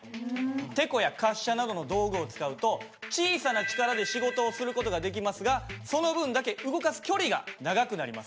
てこや滑車などの道具を使うと小さな力で仕事をする事ができますがその分だけ動かす距離が長くなります。